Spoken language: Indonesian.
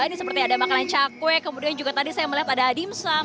ini seperti ada makanan cakwe kemudian juga tadi saya melihat ada adimsam